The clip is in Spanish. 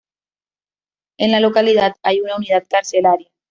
En la localidad hay una unidad carcelaria.